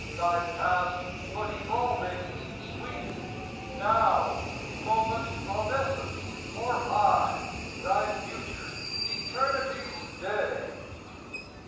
Thy past, but evolvings sweet, Now, moment of essence for aye, Thy future, eternity's day!